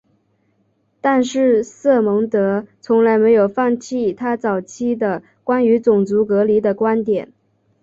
但是瑟蒙德从来没有放弃他早期的关于种族隔离的观点。